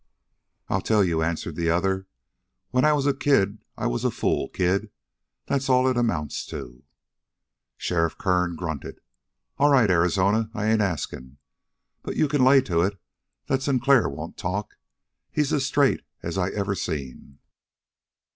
"I'll tell you," answered the other. "When I was a kid I was a fool kid. That's all it amounts to." Sheriff Kern grunted. "All right, Arizona, I ain't asking. But you can lay to it that Sinclair won't talk. He's as straight as ever I seen!"